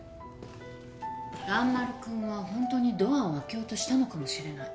蘭丸君はホントにドアを開けようとしたのかもしれない。